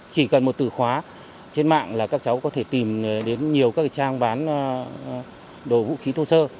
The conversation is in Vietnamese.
chỉ cần một từ khóa trên mạng là các cháu có thể tìm đến nhiều các trang bán đồ vũ khí thô sơ